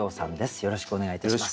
よろしくお願いします。